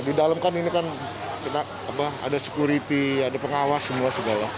di dalam kan ini kan ada security ada pengawas semua segala